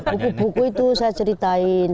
buku buku itu saya ceritain